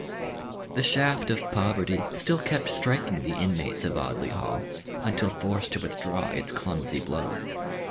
The shaft of poverty still kept striking the inmates of Audley Hall, until forced to withdraw its clumsy blow.